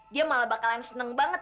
dia malah bakalan seneng banget